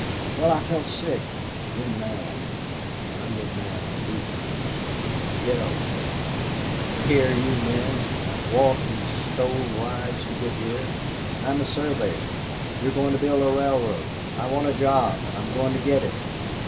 "Well, I felt sick. Then mad. When I get mad I do things. I yelled at that bunch: 'Here, you men! I've walked and stole rides to get here. I'm a surveyor. You're going to build a railroad. I want a job and I'm going to get it.